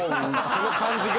この感じが。